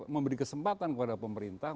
memberi kesempatan kepada pemerintah